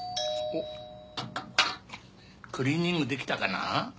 おっクリーニングできたかな？